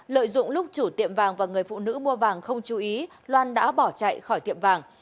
lợi dụng lúc chủ tiệm vàng và người phụ nữ mua vàng không chú ý loan đã bỏ chạy khỏi tiệm vàng